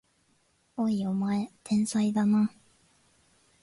おい、お前天才だな！